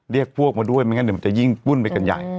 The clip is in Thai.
เรียกพวกมาด้วยไม่งั้นหนึ่งขึ้นไปกันใหญ่